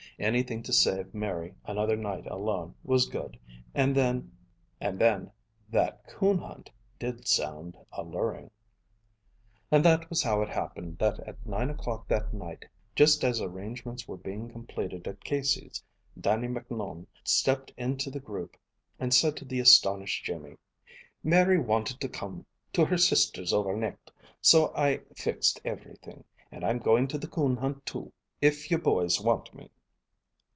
Anything to save Mary another night alone was good, and then that coon hunt did sound alluring. And that was how it happened that at nine o'clock that night, just as arrangements were being completed at Casey's, Dannie Macnoun stepped into the group and said to the astonished Jimmy: "Mary wanted to come to her sister's over nicht, so I fixed everything, and I'm going to the coon hunt, too, if you boys want me."